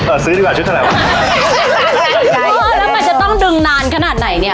ซื้อดีกว่าชุดเท่าไหวะเออแล้วมันจะต้องดึงนานขนาดไหนเนี้ย